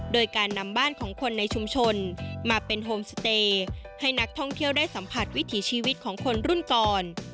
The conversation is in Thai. โดยการนำบ้านของคนในชุมชนมาเป็นโฮมสเตย์ให้นักท่องเที่ยวได้สัมผัสวิถีชีวิตของคนรุ่นก่อน